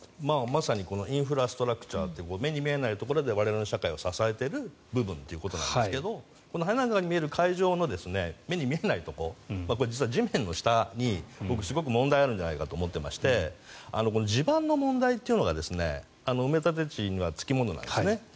まさにインフラストラクチャーという目に見えないところで我々の社会を支えている部分なんですがこの鮮やかな会場の目に見えないところ実は地面の下にすごく問題があるんじゃないかと思っていまして地盤の問題っていうのが埋立地には付きものなんです。